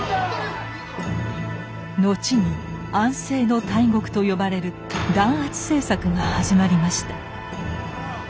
後に安政の大獄と呼ばれる弾圧政策が始まりました。